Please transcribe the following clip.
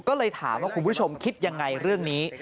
ก็เลยถามว่าคุณผู้ชมคิดยังไงเรื่องนี้